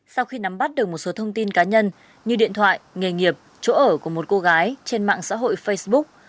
sau khi nắm bắt được một số thông tin cá nhân như điện thoại nghề nghiệp chỗ ở của một cô gái trên mạng xã hội facebook